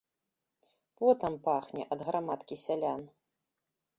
Потам пахне ад грамадкі сялян.